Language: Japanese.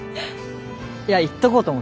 いや言っとこうと思って。